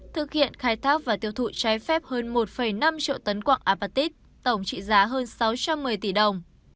thực hiện khai thác và tiêu thụ trái phép hơn một năm triệu tấn quạng apatit tổng trị giá hơn sáu trăm một mươi tỷ đồng